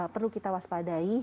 perlu kita waspadai